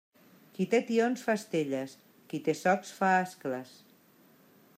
Qui té tions fa estelles; qui té socs fa ascles.